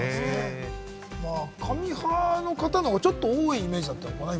まあ紙派の方がちょっと多いイメージだったかな？